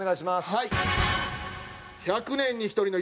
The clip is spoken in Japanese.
はい。